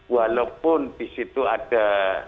walaupun disitu ada